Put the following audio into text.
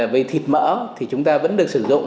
về thịt mỡ thì chúng ta vẫn được sử dụng